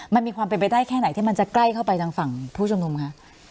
มันมีความเป็นไปได้แค่ไหนที่มันจะใกล้เข้าไปทางฝั่งผู้ชมนุมคะ